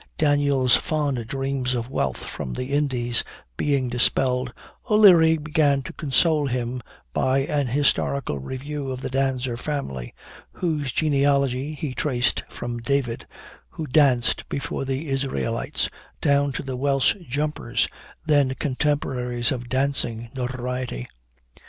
Daniel's fond dreams of wealth from the Indies being dispelled, O'Leary began to console him by an historical review of the Danser family, whose genealogy he traced from David, who danced before the Israelites, down to the Welsh jumpers, then contemporaries of dancing notoriety.